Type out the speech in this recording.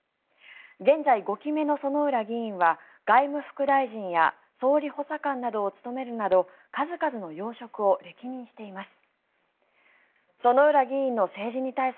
現在５期目の薗浦議員は外務副大臣や総理補佐官などを務めるなど数々の要職を歴任しています。